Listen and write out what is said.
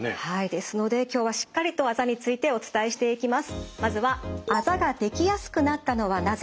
ですので今日はしっかりとあざについてお伝えしていきます。